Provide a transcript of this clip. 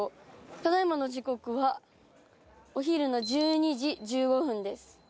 ただ今の時刻はお昼の１２時１５分です。